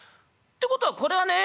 てことはこれはね